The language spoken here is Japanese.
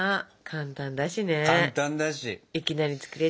簡単だしね。